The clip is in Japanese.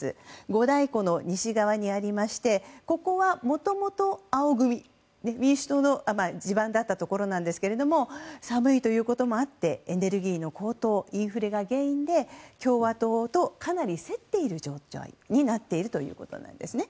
五大湖の西側にありましてここはもともと青組民主党の地盤だったところなんですけれども寒いということもあってエネルギーの高騰インフレが原因で共和党とかなり競っている状況になっているということです。